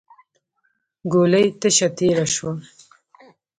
ګولۍ تشه تېره شوه.